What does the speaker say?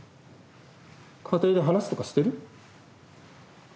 家庭で話とかしてる？